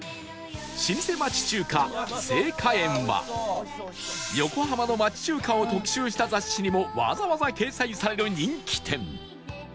老舗町中華盛華園は横浜の町中華を特集した雑誌にもわざわざ掲載される人気店